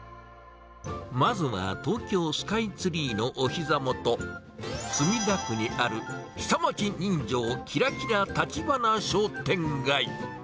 まずは東京スカイツリーのおひざ元、墨田区にある、下町人情キラキラ橘商店街。